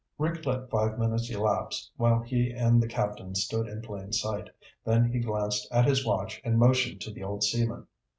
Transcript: Rick let five minutes elapse while he and the Captain stood in plain sight, then he glanced at his watch and motioned to the old seaman.